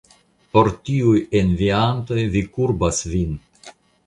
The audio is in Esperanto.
Por tiuj enviantoj vi kurbas vin!